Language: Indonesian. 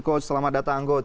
coach selamat datang coach